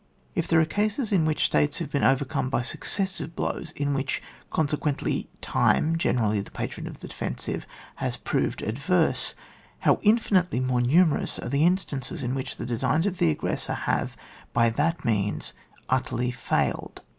If there are caees in which States have been over come by successive blows — in which, consequently, TifM^ generally the patron of the defensive, has proved adverse^ how infinitely more numerous are the in stances in which the designs of the aggressor have by that means utterly failed.